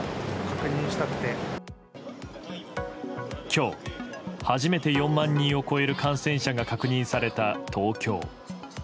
今日、初めて４万人を超える感染者が確認された東京。